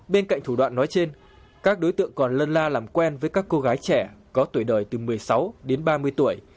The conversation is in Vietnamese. bên cạnh thủ đoạn nói trên các đối tượng còn lân la làm quen với các cô gái trẻ có tuổi đời từ một mươi sáu đến ba mươi tuổi